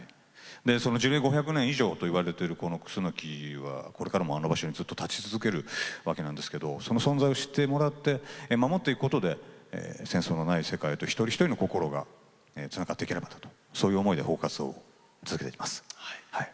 樹齢５００年以上と呼ばれてるクスノキは、これからもあの場所に立ち続けるわけなんですけどその存在を知ってもらって守っていくことで戦争のない世界と一人一人の心がつながっていければなとそういう意味で保護活動を続けていきます。